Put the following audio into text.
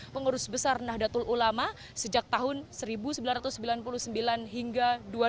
pengurus besar nahdlatul ulama sejak tahun seribu sembilan ratus sembilan puluh sembilan hingga dua ribu dua